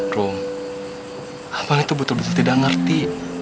rom abang itu betul betul tidak ngerti